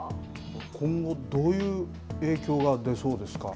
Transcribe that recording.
今後、どういう影響が出そうですか。